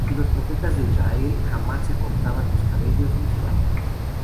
Los profetas de Israel jamás se cortaban sus cabellos ni su barba.